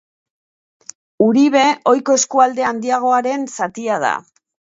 Uribe ohiko eskualde handiagoaren zatia da.